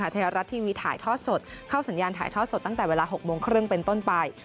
ไทยรัฐทีวีถ่ายทอดสดเข้าสัญญาณถ่ายทอดสดตั้งแต่เวลา๖โมงครึ่งเป็นต้นไป